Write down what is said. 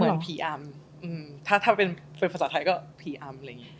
เหมือนผีอำถ้าเป็นภาษาไทยก็ผีอำ